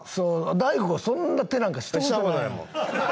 大悟がそんな手なんかしたことないもん。